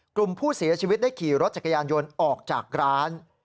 กลุ่มผู้เสียชีวิตได้ขี่รถจักรยานยนต์ออกจากร้าน